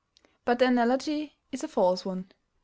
But the analogy is a false one.